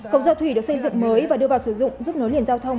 cầu giao thủy được xây dựng mới và đưa vào sử dụng giúp nối liền giao thông